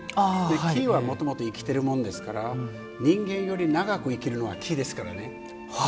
木はもともと生きているものですから人間より長く生きるのは木ですからね。